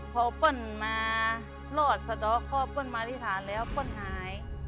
พอเปิ้ลมารอดสะดอกข้อป้นมาอธิษฐานแล้วป้นหาย